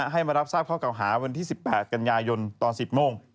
ให้มารับทราบข้อเก่าหาวันที่๑๘กันยายนตอน๑๐โมง